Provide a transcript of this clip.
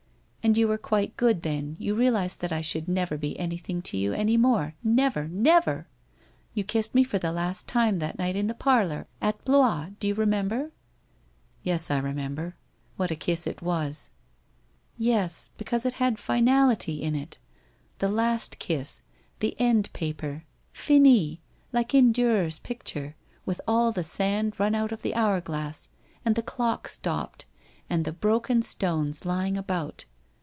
And you were quite good then, you realized that I should never be anything to you any more, never, never! You kissed me for the last time that night in the parlour at Blois, do you remember ?'* Yes, I remember. "What a kiss it was !'' Yes, because it had finality in it. The last kiss, the end paper, Finis, like in Durer's picture, with all the sand run out of the hour glass and the clock stopped and, the broken stones lying about.